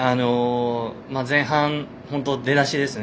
前半、出だしですね